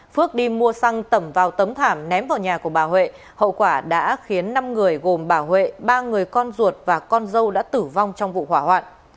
phước đi mua xăng tẩm vào tấm thảm ném vào nhà của bà huệ hậu quả đã khiến năm người gồm bà huệ ba người con ruột và con dâu đã tử vong trong vụ hỏa hoạn